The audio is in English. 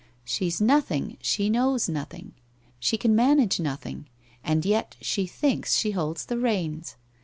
She's nothing, she knows nothing, she can manage nothing, and yet she thinks she holds the reins.